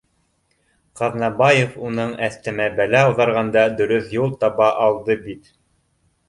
Ҡаҙнабаев уның әҫтәмә бәлә ауҙарғанда, дөрөҫ юл таба алды бит